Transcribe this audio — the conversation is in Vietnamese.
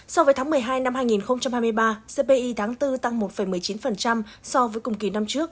so với tháng một mươi hai năm hai nghìn hai mươi ba cpi tháng bốn tăng một một mươi chín so với cùng kỳ năm trước